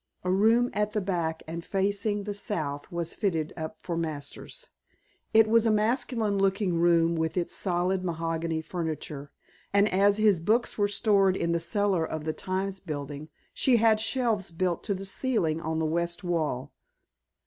A room at the back and facing the south was fitted up for Masters. It was a masculine looking room with its solid mahogany furniture, and as his books were stored in the cellar of the Times Building she had shelves built to the ceiling on the west wall.